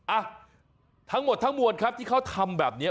อ่ะทั้งหมดทั้งมวลครับที่เขาทำแบบนี้